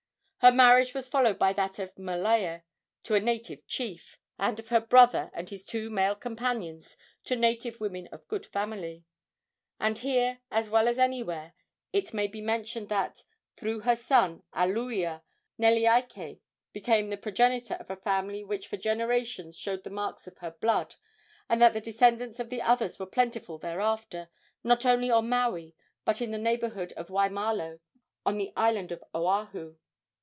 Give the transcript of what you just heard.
Her marriage was followed by that of Malaea to a native chief, and of her brother and his two male companions to native women of good family. And here, as well as anywhere, it may be mentioned that, through her son Alooia, Neleike became the progenitor of a family which for generations showed the marks of her blood, and that the descendants of the others were plentiful thereafter, not only on Maui but in the neighborhood of Waimalo, on the island of Oahu.